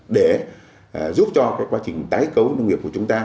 để giúp cho quá trình tái cấu nông nghiệp của chúng ta